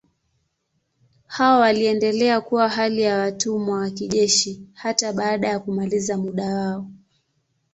Hao waliendelea kuwa hali ya watumwa wa kijeshi hata baada ya kumaliza muda wao.